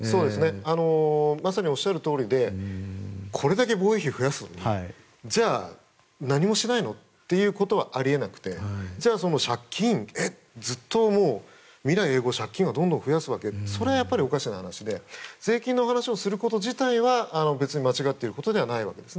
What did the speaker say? まさにおっしゃるとおりでこれだけ防衛費を増やすのにじゃあ何もしないの？ということはあり得なくてずっともう、未来永劫借金をどんどん増やすのはそれはおかしな話で税金の話をすること自体は別に間違っていることではないわけです。